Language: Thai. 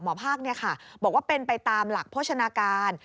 ภาคบอกว่าเป็นไปตามหลักโภชนาการ